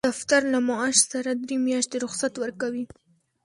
دفتر له معاش سره درې میاشتې رخصت ورکوي.